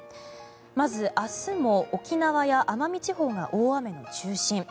まず、明日も沖縄や奄美地方が大雨の中心。